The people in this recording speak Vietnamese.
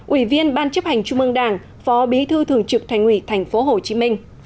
bốn uy viên ban chấp hành chung mương đảng phó bí thư thường trực thành ủy tp hcm